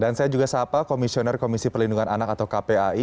dan saya juga sapa komisioner komisi perlindungan anak atau kpai